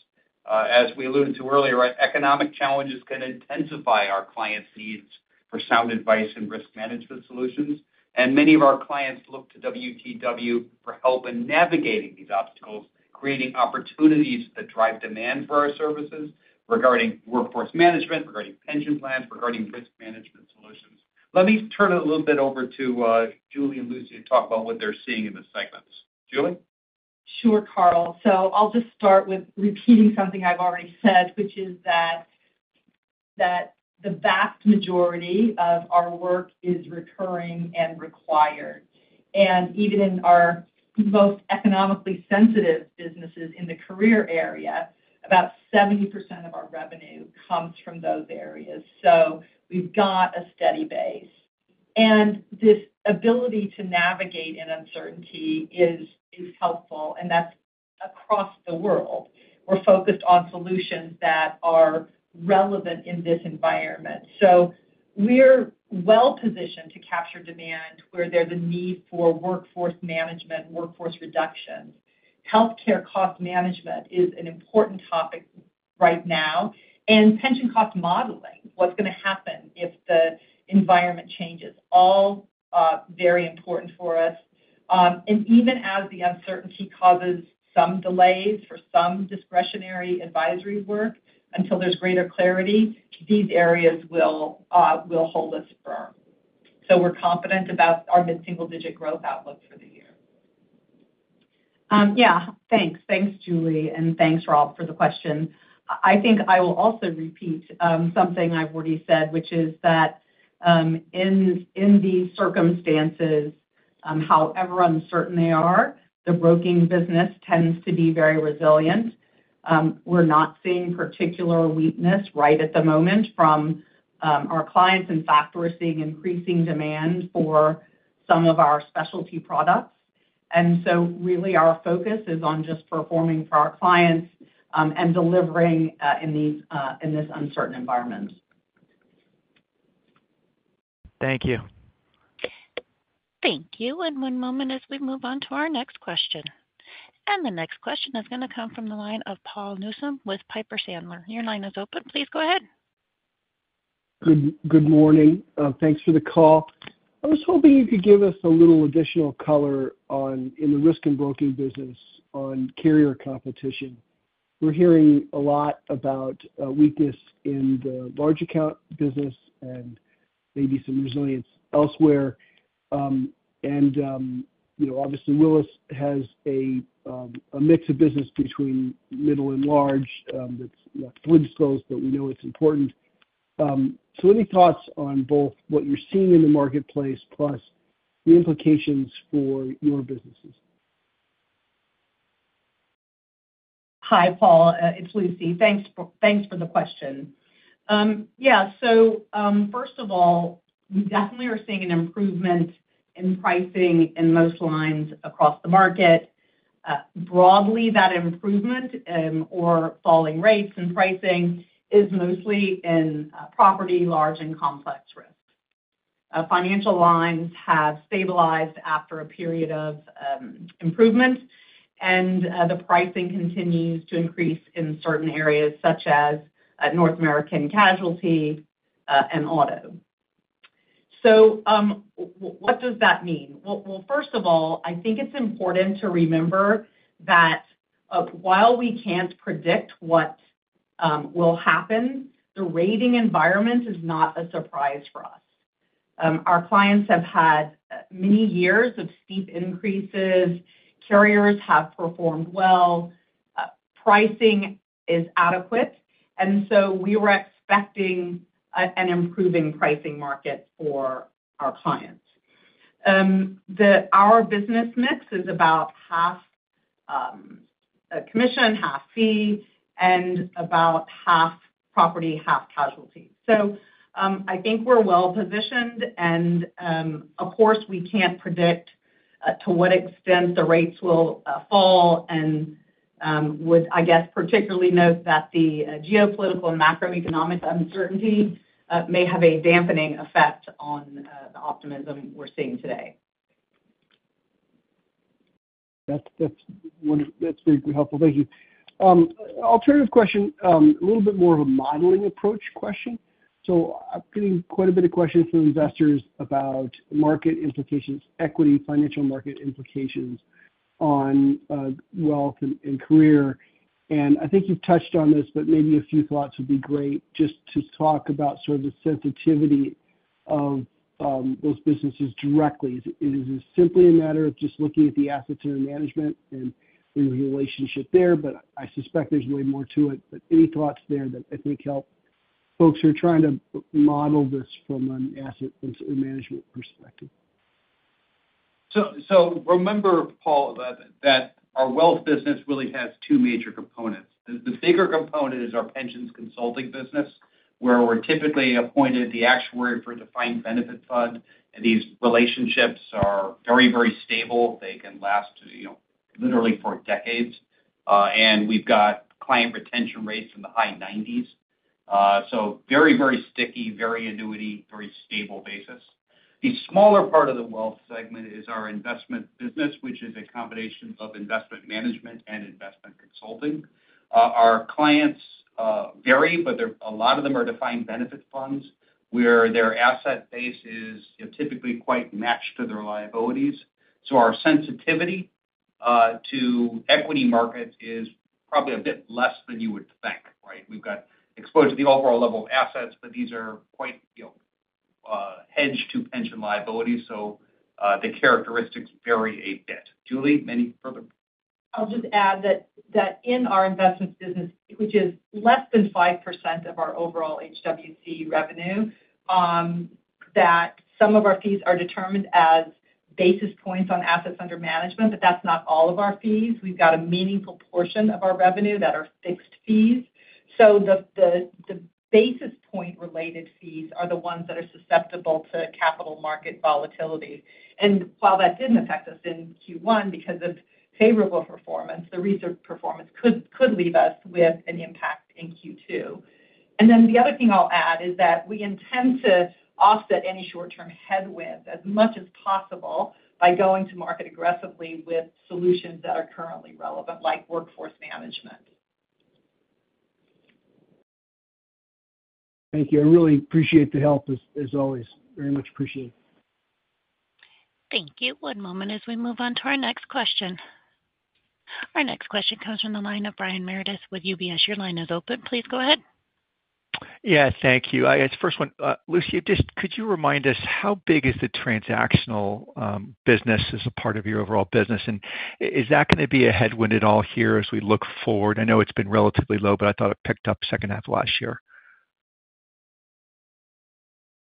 As we alluded to earlier, right, economic challenges can intensify our clients' needs for sound advice and risk management solutions. Many of our clients look to WTW for help in navigating these obstacles, creating opportunities that drive demand for our services regarding workforce management, regarding pension plans, regarding risk management solutions. Let me turn it a little bit over to Julie and Lucy to talk about what they're seeing in the segments. Julie? Sure, Carl. I'll just start with repeating something I've already said, which is that the vast majority of our work is recurring and required. Even in our most economically sensitive businesses in the career area, about 70% of our revenue comes from those areas. We have a steady base. This ability to navigate in uncertainty is helpful. That's across the world. We're focused on solutions that are relevant in this environment. We're well positioned to capture demand where there's a need for workforce management, workforce reductions. Healthcare cost management is an important topic right now. Pension cost modeling, what's going to happen if the environment changes, all very important for us. Even as the uncertainty causes some delays for some discretionary advisory work until there's greater clarity, these areas will hold us firm. We're confident about our mid-single digit growth outlook for the year. Yeah. Thanks. Thanks, Julie. Thanks, Rob, for the question. I think I will also repeat something I've already said, which is that in these circumstances, however uncertain they are, the broking business tends to be very resilient. We're not seeing particular weakness right at the moment from our clients. In fact, we're seeing increasing demand for some of our specialty products. Our focus is on just performing for our clients and delivering in this uncertain environment. Thank you. Thank you. One moment as we move on to our next question. The next question is going to come from the line of Paul Newsome with Piper Sandler. Your line is open. Please go ahead. Good morning. Thanks for the call. I was hoping you could give us a little additional color in the Risk and Broking business on carrier competition. We're hearing a lot about weakness in the large account business and maybe some resilience elsewhere. Obviously, Willis has a mix of business between middle and large that's flipped skills, but we know it's important. Any thoughts on both what you're seeing in the marketplace plus the implications for your businesses? Hi, Paul. It's Lucy. Thanks for the question. Yeah. First of all, we definitely are seeing an improvement in pricing in most lines across the market. Broadly, that improvement or falling rates in pricing is mostly in property, large, and complex risk. Financial lines have stabilized after a period of improvement, and the pricing continues to increase in certain areas such as North American casualty and auto. What does that mean? First of all, I think it's important to remember that while we can't predict what will happen, the rating environment is not a surprise for us. Our clients have had many years of steep increases. Carriers have performed well. Pricing is adequate. We were expecting an improving pricing market for our clients. Our business mix is about half commission, half fee, and about half property, half casualty. I think we're well positioned. Of course, we can't predict to what extent the rates will fall and would, I guess, particularly note that the geopolitical and macroeconomic uncertainty may have a dampening effect on the optimism we're seeing today. That's very helpful. Thank you. Alternative question, a little bit more of a modeling approach question. I'm getting quite a bit of questions from investors about market implications, equity, financial market implications on Wealth & Career. I think you've touched on this, but maybe a few thoughts would be great just to talk about sort of the sensitivity of those businesses directly. Is it simply a matter of just looking at the assets and the management and the relationship there? I suspect there's way more to it. Any thoughts there that I think help folks who are trying to model this from an asset and management perspective? Remember, Paul, that our wealth business really has two major components. The bigger component is our pensions consulting business, where we're typically appointed the actuary for defined benefit fund. These relationships are very, very stable. They can last literally for decades. We've got client retention rates in the high 90s. Very, very sticky, very annuity, very stable basis. The smaller part of the wealth segment is our investment business, which is a combination of investment management and investment consulting. Our clients vary, but a lot of them are defined benefit funds where their asset base is typically quite matched to their liabilities. Our sensitivity to equity markets is probably a bit less than you would think, right? We've got exposure to the overall level of assets, but these are quite hedged to pension liabilities. The characteristics vary a bit. Julie, any further? I'll just add that in our investment business, which is less than 5% of our overall HWC revenue, that some of our fees are determined as basis points on assets under management, but that's not all of our fees. We've got a meaningful portion of our revenue that are fixed fees. The basis point-related fees are the ones that are susceptible to capital market volatility. While that didn't affect us in Q1 because of favorable performance, the recent performance could leave us with an impact in Q2. The other thing I'll add is that we intend to offset any short-term headwinds as much as possible by going to market aggressively with solutions that are currently relevant, like workforce management. Thank you. I really appreciate the help, as always. Very much appreciated. Thank you. One moment as we move on to our next question. Our next question comes from the line of Brian Meredith with UBS. Your line is open. Please go ahead. Yeah. Thank you. I guess first one, Lucy, could you remind us how big is the transactional business as a part of your overall business? And is that going to be a headwind at all here as we look forward? I know it's been relatively low, but I thought it picked up second half of last year.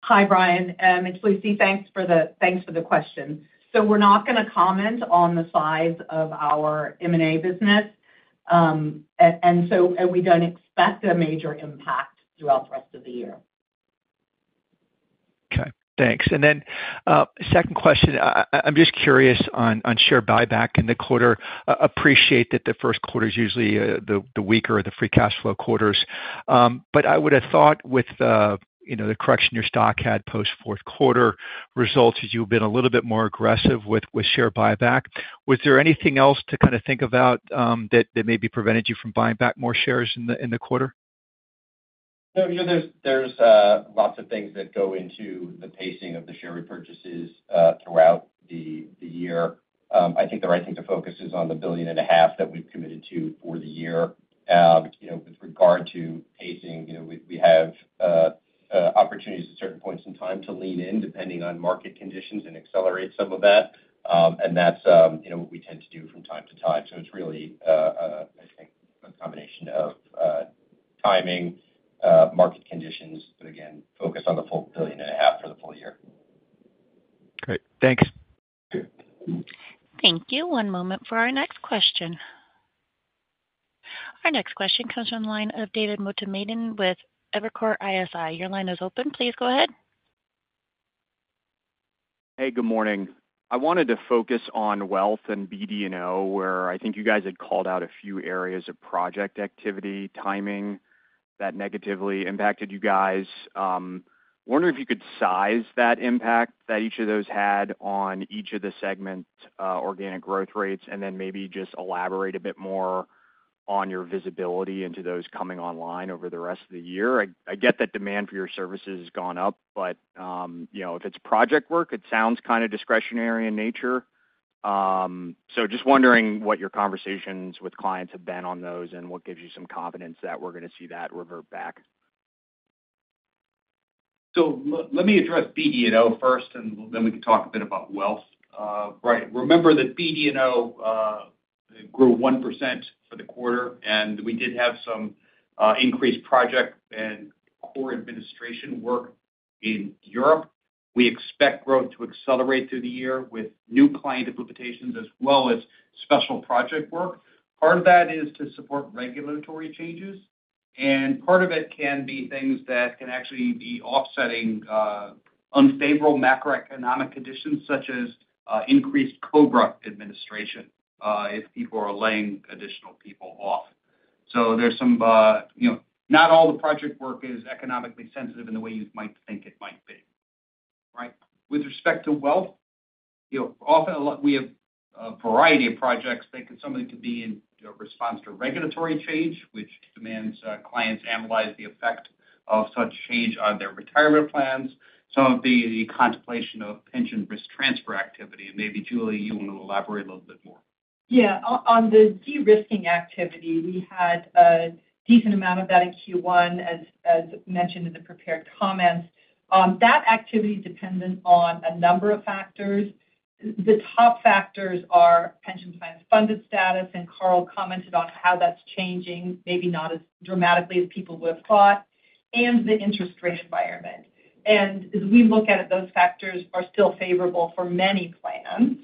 Hi, Brian. It's Lucy. Thanks for the question. We are not going to comment on the size of our M&A business. We do not expect a major impact throughout the rest of the year. Okay. Thanks. And then second question, I'm just curious on share buyback in the quarter. Appreciate that the first quarter is usually the weaker or the free cash flow quarters. I would have thought with the correction your stock had post fourth quarter results, you've been a little bit more aggressive with share buyback. Was there anything else to kind of think about that maybe prevented you from buying back more shares in the quarter? There are lots of things that go into the pacing of the share repurchases throughout the year. I think the right thing to focus on is the $1.5 billion that we've committed to for the year. With regard to pacing, we have opportunities at certain points in time to lean in depending on market conditions and accelerate some of that. That is what we tend to do from time to time. It is really, I think, a combination of timing, market conditions, but again, focus on the full $1.5 billion for the full year. Great. Thanks. Thank you. One moment for our next question. Our next question comes from the line of David Motemaden with Evercore ISI. Your line is open. Please go ahead. Hey, good morning. I wanted to focus on Wealth and BD&O, where I think you guys had called out a few areas of project activity, timing that negatively impacted you guys. Wondering if you could size that impact that each of those had on each of the segments, organic growth rates, and then maybe just elaborate a bit more on your visibility into those coming online over the rest of the year. I get that demand for your services has gone up, but if it's project work, it sounds kind of discretionary in nature. Just wondering what your conversations with clients have been on those and what gives you some confidence that we're going to see that revert back. Let me address BD&O first, and then we can talk a bit about wealth. Right. Remember that BD&O grew 1% for the quarter, and we did have some increased project and core administration work in Europe. We expect growth to accelerate through the year with new client implications as well as special project work. Part of that is to support regulatory changes. Part of it can be things that can actually be offsetting unfavorable macroeconomic conditions such as increased COBRA administration if people are laying additional people off. Not all the project work is economically sensitive in the way you might think it might be. Right? With respect to wealth, often we have a variety of projects. Some of it could be in response to regulatory change, which demands clients analyze the effect of such change on their retirement plans. Some of the contemplation of pension risk transfer activity. Maybe, Julie, you want to elaborate a little bit more. Yeah. On the de-risking activity, we had a decent amount of that in Q1, as mentioned in the prepared comments. That activity is dependent on a number of factors. The top factors are pension plan funded status, and Carl commented on how that's changing, maybe not as dramatically as people would have thought, and the interest rate environment. As we look at it, those factors are still favorable for many plans.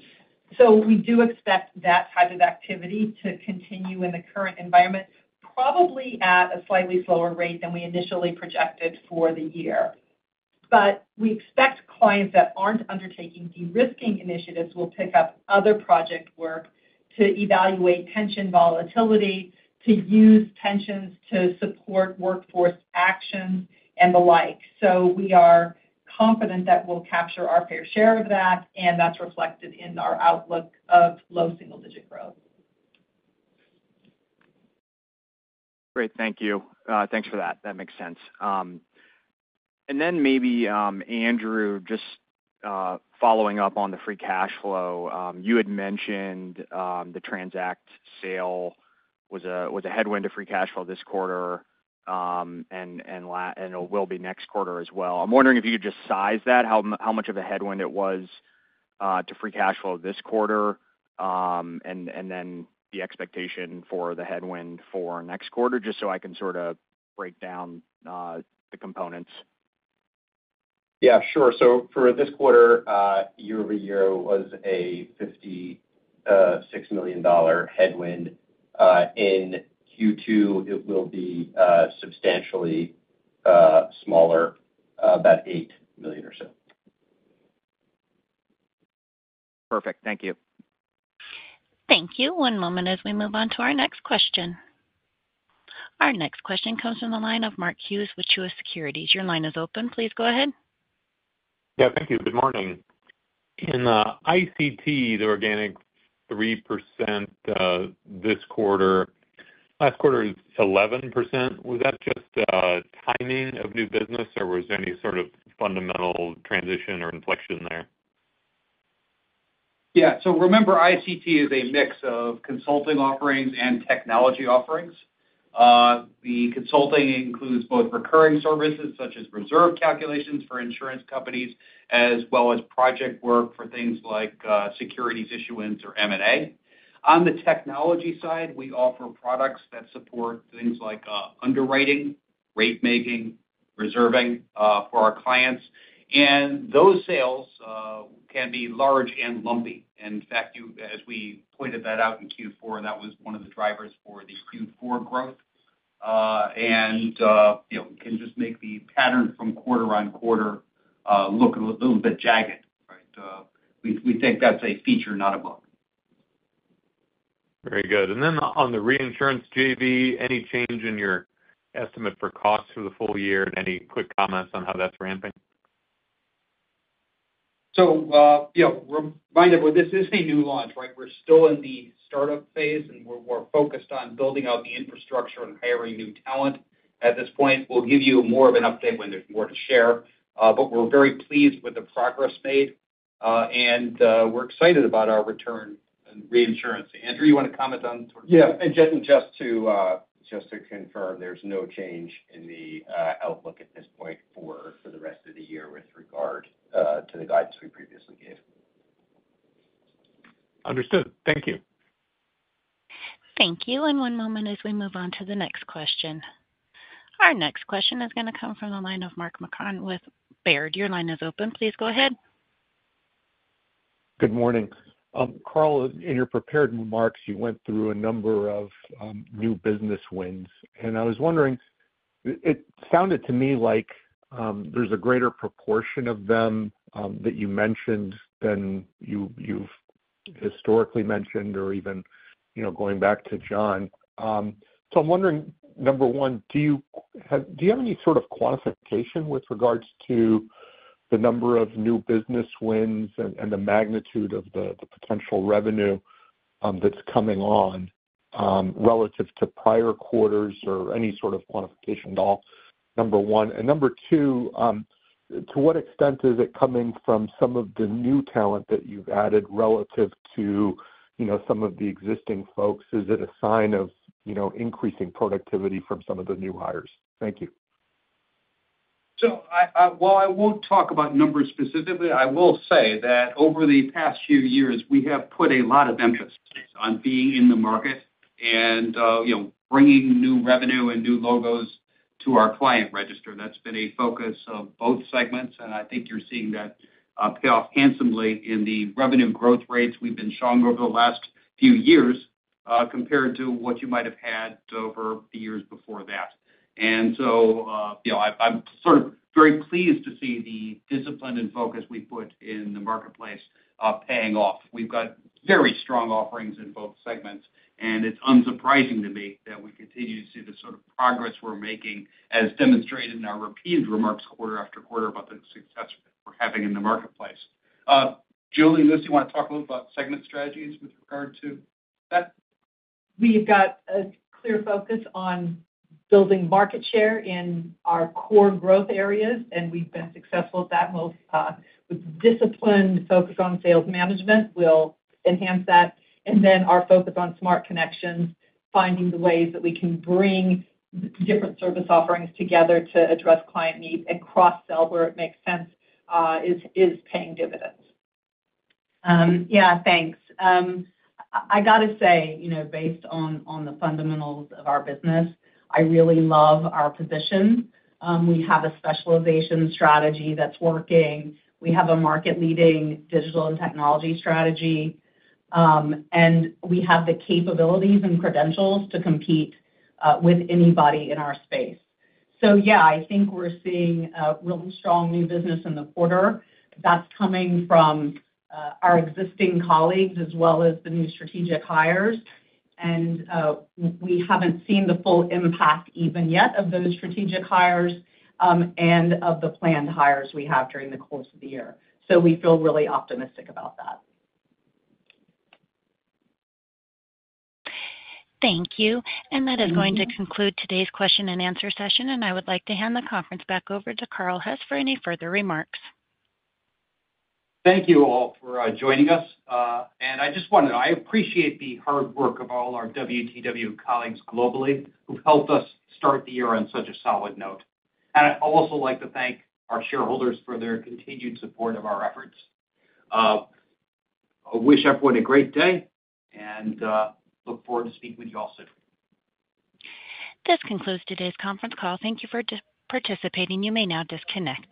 We do expect that type of activity to continue in the current environment, probably at a slightly slower rate than we initially projected for the year. We expect clients that aren't undertaking de-risking initiatives will pick up other project work to evaluate pension volatility, to use pensions to support workforce actions and the like. We are confident that we'll capture our fair share of that, and that's reflected in our outlook of low single digit growth. Great. Thank you. Thanks for that. That makes sense. Maybe Andrew, just following up on the free cash flow, you had mentioned the Transact sale was a headwind to free cash flow this quarter and will be next quarter as well. I'm wondering if you could just size that, how much of a headwind it was to free cash flow this quarter, and then the expectation for the headwind for next quarter, just so I can sort of break down the components. Yeah. Sure. For this quarter, year-over-year was a $56 million headwind. In Q2, it will be substantially smaller, about $8 million or so. Perfect. Thank you. Thank you. One moment as we move on to our next question. Our next question comes from the line of Mark Hughes with Truist Securities. Your line is open. Please go ahead. Yeah. Thank you. Good morning. In ICT, the organic 3% this quarter, last quarter is 11%. Was that just timing of new business, or was there any sort of fundamental transition or inflection there? Yeah. Remember, ICT is a mix of consulting offerings and technology offerings. The consulting includes both recurring services such as reserve calculations for insurance companies as well as project work for things like securities issuance or M&A. On the technology side, we offer products that support things like underwriting, rate-making, reserving for our clients. Those sales can be large and lumpy. In fact, as we pointed that out in Q4, that was one of the drivers for the Q4 growth. It can just make the pattern from quarter on quarter look a little bit jagged, right? We think that's a feature, not a bug. Very good. On the reinsurance JV, any change in your estimate for costs for the full year and any quick comments on how that's ramping? Remind everyone, this is a new launch, right? We're still in the startup phase, and we're focused on building out the infrastructure and hiring new talent. At this point, we'll give you more of an update when there's more to share. We're very pleased with the progress made, and we're excited about our return and reinsurance. Andrew, you want to comment on sort of— Yeah. Just to confirm, there's no change in the outlook at this point for the rest of the year with regard to the guidance we previously gave. Understood. Thank you. Thank you. One moment as we move on to the next question. Our next question is going to come from the line of Mark Marcon with Baird. Your line is open. Please go ahead. Good morning. Carl, in your prepared remarks, you went through a number of new business wins. I was wondering, it sounded to me like there's a greater proportion of them that you mentioned than you've historically mentioned or even going back to John. I'm wondering, number one, do you have any sort of quantification with regards to the number of new business wins and the magnitude of the potential revenue that's coming on relative to prior quarters or any sort of quantification at all? Number one. Number two, to what extent is it coming from some of the new talent that you've added relative to some of the existing folks? Is it a sign of increasing productivity from some of the new hires? Thank you. While I won't talk about numbers specifically, I will say that over the past few years, we have put a lot of emphasis on being in the market and bringing new revenue and new logos to our client register. That's been a focus of both segments, and I think you're seeing that payoff handsomely in the revenue growth rates we've been showing over the last few years compared to what you might have had over the years before that. I am sort of very pleased to see the discipline and focus we put in the marketplace paying off. We've got very strong offerings in both segments, and it's unsurprising to me that we continue to see the sort of progress we're making, as demonstrated in our repeated remarks quarter after quarter about the success we're having in the marketplace. Julie, Lucy, you want to talk a little about segment strategies with regard to that? We've got a clear focus on building market share in our core growth areas, and we've been successful at that. With disciplined focus on sales management, we will enhance that. Our focus on smart connections, finding the ways that we can bring different service offerings together to address client needs and cross-sell where it makes sense is paying dividends. Yeah. Thanks. I got to say, based on the fundamentals of our business, I really love our position. We have a specialization strategy that's working. We have a market-leading digital and technology strategy, and we have the capabilities and credentials to compete with anybody in our space. Yeah, I think we're seeing a real strong new business in the quarter. That's coming from our existing colleagues as well as the new strategic hires. We haven't seen the full impact even yet of those strategic hires and of the planned hires we have during the course of the year. We feel really optimistic about that. Thank you. That is going to conclude today's question and answer session, and I would like to hand the conference back over to Carl Hess for any further remarks. Thank you all for joining us. I just want to note, I appreciate the hard work of all our WTW colleagues globally who've helped us start the year on such a solid note. I would also like to thank our shareholders for their continued support of our efforts. I wish everyone a great day and look forward to speaking with you all soon. This concludes today's conference call. Thank you for participating. You may now disconnect.